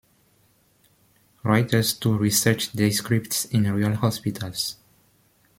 Writers too researched their scripts in real hospitals.